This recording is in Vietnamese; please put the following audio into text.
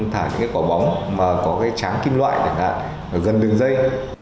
thả những quả bóng mà có tráng kim loại gần đường dây